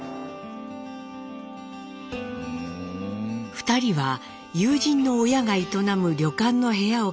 ２人は友人の親が営む旅館の部屋を借りて暮らし始めます。